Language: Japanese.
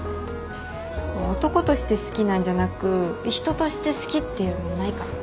男として好きなんじゃなく人として好きっていうのないかな。